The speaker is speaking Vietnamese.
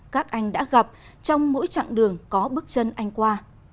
các anh đã gặp trong mỗi chặng đường có bước chân anh qua